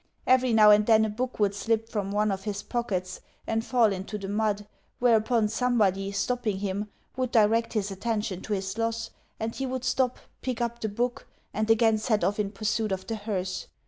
Every now and then a book would slip from one of his pockets and fall into the mud; whereupon somebody, stopping him, would direct his attention to his loss, and he would stop, pick up the book, and again set off in pursuit of the hearse.